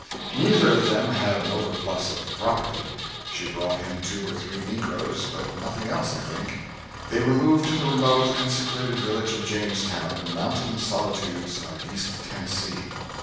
Neither of them had an overplus of property. She brought him two or three negroes, but nothing else, I think. They removed to the remote and secluded village of Jamestown, in the mountain solitudes of east Tennessee.